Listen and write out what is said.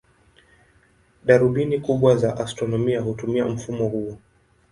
Darubini kubwa za astronomia hutumia mfumo huo.